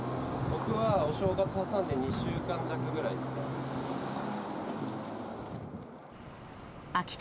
僕はお正月挟んで２週間弱ぐらいですかね。